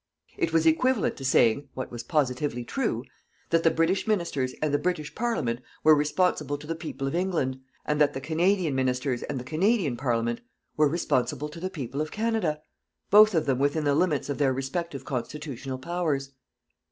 It was equivalent to saying what was positively true that the British Ministers and the British Parliament were responsible to the people of England, and that the Canadian Ministers and the Canadian Parliament were responsible to the people of Canada, both of them within the limits of their respective constitutional powers.